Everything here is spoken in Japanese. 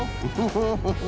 フフフフ。